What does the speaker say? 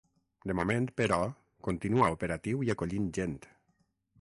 De moment, però, continua operatiu i acollint gent.